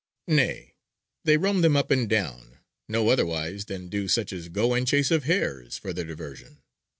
Nay, they roam them up and down no otherwise than do such as go in chase of hares for their diversion.